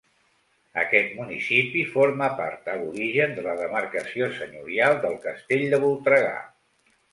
Aquest municipi formà part, a l'origen, de la demarcació senyorial del castell de Voltregà.